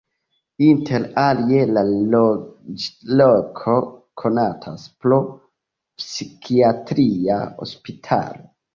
Inter alie la loĝloko konatas pro psikiatria hospitalo.